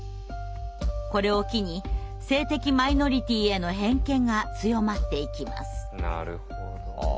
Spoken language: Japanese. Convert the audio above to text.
これを機に性的マイノリティーへの偏見が強まっていきます。